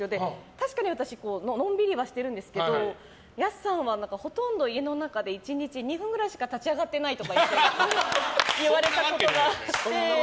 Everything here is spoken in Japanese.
確かに私のんびりはしてるんですけど安さんは、ほとんど家の中で１日２分ぐらいしか立ち上がってないとかって言われたことがあって。